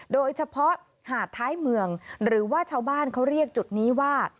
โดยเฉพาะหาดท้ายเมืองหรือว่าชาวบ้านเขาเรียกจุดนี้ว่า